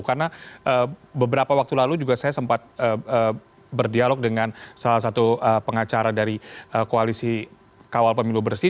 karena beberapa waktu lalu juga saya sempat berdialog dengan salah satu pengacara dari koalisi kawal pemilu bersih